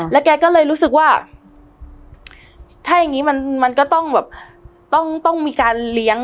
แกก็เลยรู้สึกว่าถ้าอย่างนี้มันก็ต้องแบบต้องมีการเลี้ยง